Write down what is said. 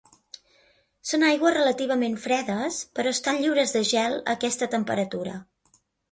Són aigües relativament fredes però estan lliures de gel a aquesta temperatura.